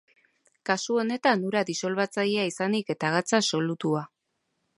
Kasu honetan ura disolbatzailea izanik eta gatza solutua.